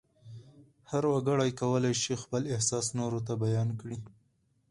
هر وګړی کولای شي خپل احساس نورو ته بیان کړي.